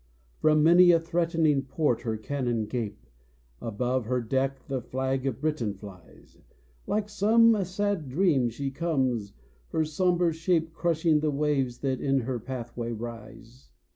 From many a threatening port her cannon gape, Above her deck the flag of Britain flies; Like some sad dream she comes, her sombre shape Crushing the waves that in her pathway rise.